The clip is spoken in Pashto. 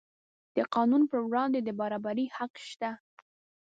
د قانون پر وړاندې د برابرۍ حق شته.